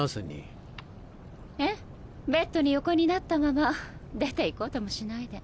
ベッドに横になったまま出て行こうともしないで。